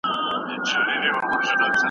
د هیواد حقیقي ملي عاید په چټکۍ سره زیات سو.